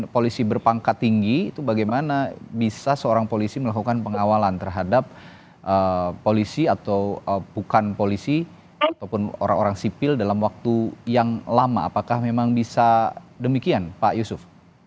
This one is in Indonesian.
polisi berpangkat tinggi itu bagaimana bisa seorang polisi melakukan pengawalan terhadap polisi atau bukan polisi ataupun orang orang sipil dalam waktu yang lama apakah memang bisa demikian pak yusuf